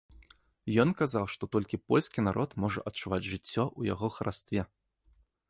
Ён казаў, што толькі польскі народ можа адчуваць жыццё ў яго харастве.